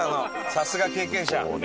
さすが経験者。